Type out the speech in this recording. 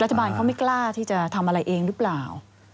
รัฐบาลเขาไม่กล้าที่จะทำอะไรเองหรือเปล่า